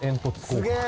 すげえ！